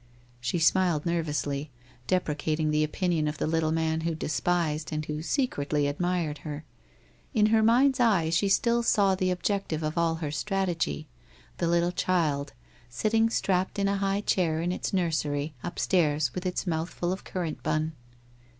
She smiled nervously, deprecating the opinion of the little man she despised and who secretly admired her. In her mind's eye she still saw the objective of all her strategy, the little child, sitting strapped in a high chair in its nursery upstairs with its mouth full of currant bun.